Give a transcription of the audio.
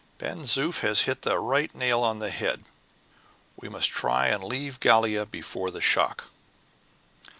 Ben Zoof has hit the right nail on the head; we must try and leave Gallia before the shock."